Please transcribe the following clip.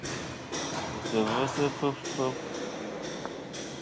Ngèsɨ-vɨ sɨ fɨf fɨf.